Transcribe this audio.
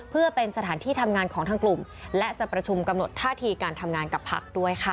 เพื่อเป็นสถานที่ทำงานของทางกลุ่มและจะประชุมกำหนดท่าทีการทำงานกับพักด้วยค่ะ